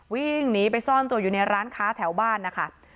วิ่งหนีไปซ่อนตัวอยู่ในร้านค้าแถวบ้านนะคะ